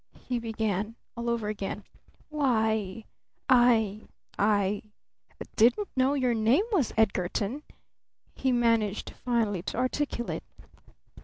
he began all over again. "Why I I didn't know your name was Edgarton!" he managed finally to articulate.